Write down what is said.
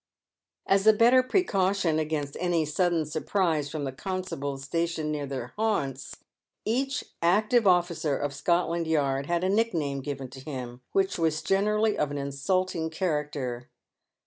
As a better precau tion against any sudden surprise from the constables stationed near their haunts, each " active officer" of Scotland yard had a nickname given to him, which was generally of an insulting character.